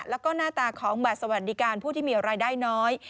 แล้วก็หน้าตาของบัตรสวัสดิการผู้ที่มีรายได้น้อย